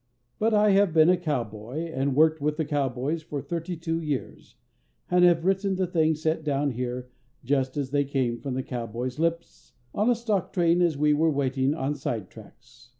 But I have been a cowboy and worked with the cowboys for thirty two years, and have written the things set down here just as they came from the cowboys' lips on a stock train as we were waiting on sidetracks.